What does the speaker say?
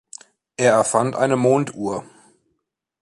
Er erfand eine Monduhr.